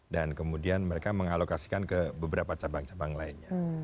dan kemudian mereka mengalokasikan ke beberapa cabang cabang lainnya